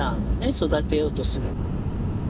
育てようとする。